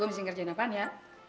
gua mesti ngerjain apaan ya